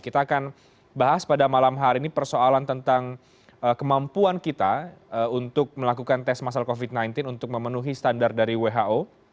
kita akan bahas pada malam hari ini persoalan tentang kemampuan kita untuk melakukan tes masal covid sembilan belas untuk memenuhi standar dari who